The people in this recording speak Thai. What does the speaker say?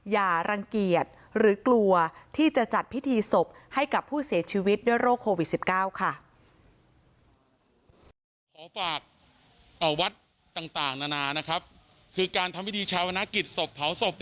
อย่ารังเกียจหรือกลัวที่จะจัดพิธีศพให้กับผู้เสียชีวิตด้วยโรคโควิด๑๙ค่ะ